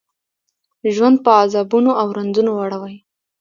ژوند په عذابونو او رنځونو واړوي.